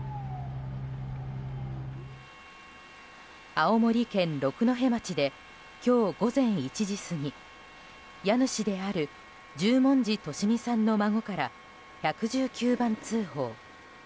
青森県六戸町で今日午前１時過ぎ家主である十文字利美さんの孫から１１９番通報。